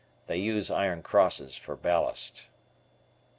They use Iron Crosses for ballast.